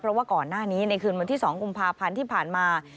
เพราะว่าก่อนหน้านี้ในคืนวันที่๒กุมภาพันธ์ที่ผ่านมา